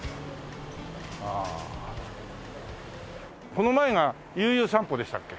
この前が『ゆうゆう散歩』でしたっけ？